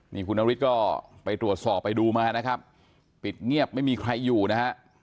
นี่คุณนฤทธิ์ก็ไปตรวจสอบไปดูมานะครับปิดเงียบไม่มีใครอยู่นะฮะ